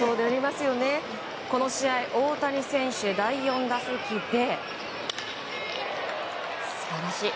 この試合大谷選手、第４打席で素晴らしい。